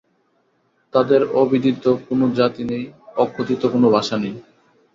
তাদের অবিদিত কোন জাতি নেই, অকথিত কোন ভাষা নাই।